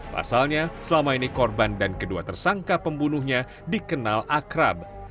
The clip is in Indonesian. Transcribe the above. pasalnya selama ini korban dan kedua tersangka pembunuhnya dikenal akrab